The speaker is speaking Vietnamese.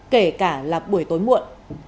kể cả là buổi tối muộn